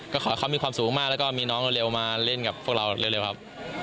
ก็ขอให้เขามีความสุขมากแล้วก็มีน้องเร็วมาเล่นกับพวกเราเร็วครับ